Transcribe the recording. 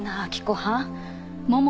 はん。